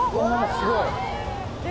すごい。